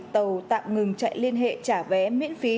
tàu tạm ngừng chạy liên hệ trả vé miễn phí